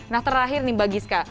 nah terakhir nih mbak giska